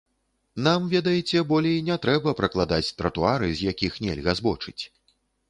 Нам, ведаеце, болей не трэба пракладаць тратуары, з якіх нельга збочыць.